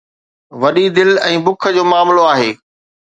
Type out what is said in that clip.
وڏي دل ۽ بُک جو معاملو آهي.